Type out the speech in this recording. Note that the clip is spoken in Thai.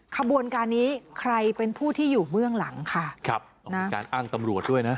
ขบวนการนี้ใครเป็นผู้ที่อยู่เบื้องหลังค่ะครับนะการอ้างตำรวจด้วยนะ